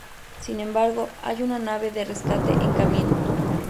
Sin embargo, hay una nave de rescate en camino.